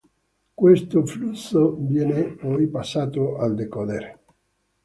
Questo flusso viene poi passato al decoder.